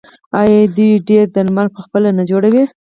آیا دوی ډیری درمل پخپله نه جوړوي؟